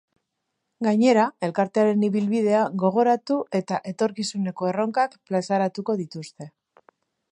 Gainera, elkartearen ibilbidea gogoratu eta etorkizuneko erronkak plazaratuko dituzte.